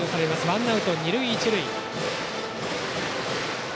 ワンアウト、二塁一塁。